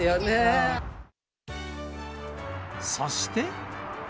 そして。